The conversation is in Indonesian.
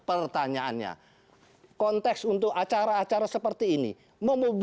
pertanyaannya konteks untuk acara acara seperti ini itu tidak bisa diperkaitkan dengan orde baru